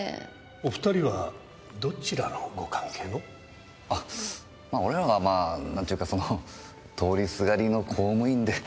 お２人はどちらのご関係の？あ俺らはまぁ何て言うかその通りすがりの公務員で。